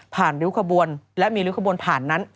ริ้วขบวนและมีริ้วขบวนผ่านนั้น